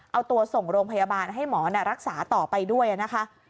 เอาตัวส่งโรงพยาบาลให้หมอรักษาต่อไปด้วยนะคะ